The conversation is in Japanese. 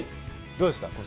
どうですか？